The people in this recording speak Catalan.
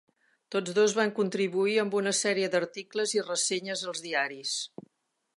Tots dos van contribuir amb una sèrie d'articles i ressenyes als diaris.